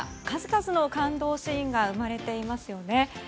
数々の感動シーンが生まれていますよね。